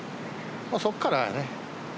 そこからやね。